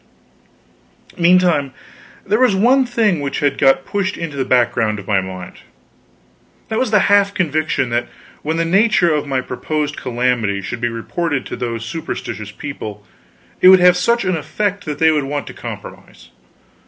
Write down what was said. Meantime there was one thing which had got pushed into the background of my mind. That was the half conviction that when the nature of my proposed calamity should be reported to those superstitious people, it would have such an effect that they would want to compromise.